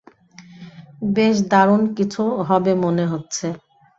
বেশ, দারুণ কিছু হবে মনে হচ্ছে।